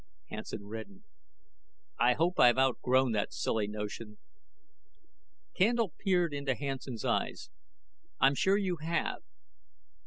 Hansen reddened. "I hope I've outgrown that silly notion." Candle peered into Hansen's eyes. "I'm sure you have.